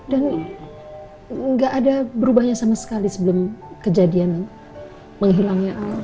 dan gak ada berubahnya sama sekali sebelum kejadian menghilangnya al